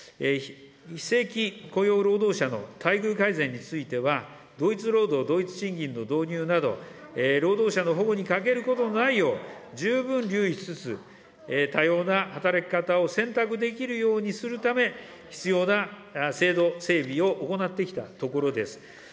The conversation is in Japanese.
非正規雇用労働者の待遇改善については、同一労働同一賃金の導入など、労働者の保護に欠けることのないよう、十分留意しつつ、多様な働き方を選択できるようにするため、必要な制度整備を行ってきたところです。